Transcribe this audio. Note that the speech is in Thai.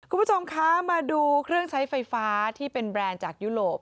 คุณผู้ชมคะมาดูเครื่องใช้ไฟฟ้าที่เป็นแบรนด์จากยุโรป